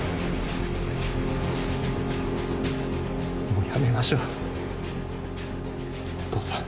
もうやめましょうお義父さん。